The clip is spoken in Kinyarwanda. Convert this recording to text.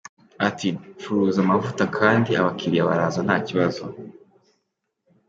Ati “Ncuruza amavuta kandi abakiriya baraza nta kibazo.